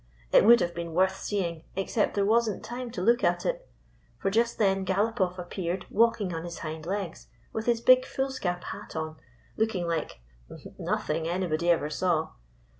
It would have been worth seeing, except there was n't time to look at it. For just then Galopoff appeared walking on his hind legs with his big foolscap hat on, looking like — nothing anybody ever saw.